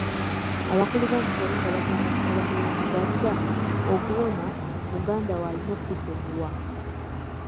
Abakulu b'omukyalo nga bagamba mutabani w'omuggaga, okuwona, muganda wo ayina okusonyiwa.